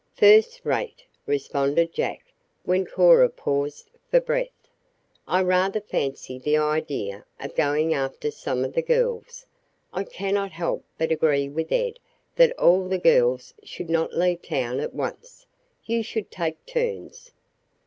"First rate!" responded Jack, when Cora paused for breath. "I rather fancy the idea of going after some of the girls. I cannot help but agree with Ed that all the girls should not leave town at once you should take turns."